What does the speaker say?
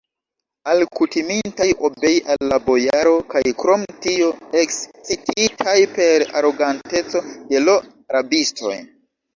Alkutimintaj obei al la bojaro kaj krom tio ekscititaj per aroganteco de l' rabistoj